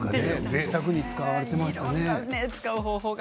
ぜいたくに使われていましたね。